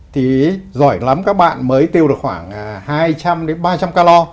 thì giỏi lắm các bạn mới tiêu được khoảng hai trăm linh đến ba trăm linh calo